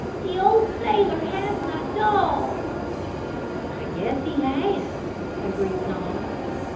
The old sailor has my dog!" "I guess he has!" agreed Tom.